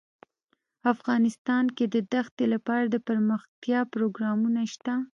افغانستان کې د دښتې لپاره دپرمختیا پروګرامونه شته.